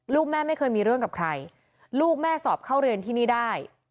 ลูกแม่ไม่เคยมีเรื่องกับใครลูกแม่สอบเข้าเรียนที่นี่ได้